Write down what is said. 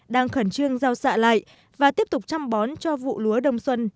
đang khẩn trương gieo xạ lại và tiếp tục chăm bón cho vụ lúa đông xuân